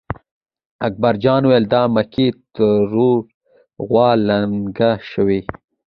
اکبر جان وېل: د مکۍ ترور غوا لنګه شوې.